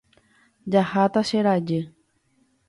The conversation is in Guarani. Jahákatu che rajy.